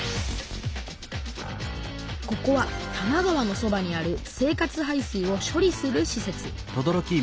ここは多摩川のそばにある生活排水を処理するしせつ。